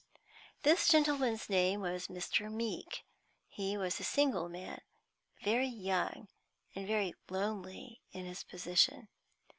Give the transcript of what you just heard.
This gentleman's name was Mr. Meeke. He was a single man, very young, and very lonely in his position.